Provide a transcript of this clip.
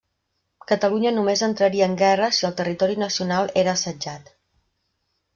Catalunya només entraria en guerra si el territori nacional era assetjat.